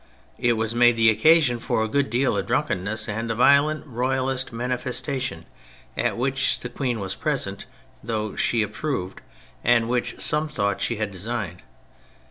It was made the occasion for a good deal of drunkenness and a violent Royalist manifestation, at which the Queen was present, which she approved, and which some thought she had designed.